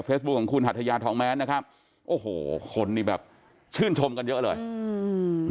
ของคุณหัทยาทองแม้นนะครับโอ้โหคนนี่แบบชื่นชมกันเยอะเลยอืม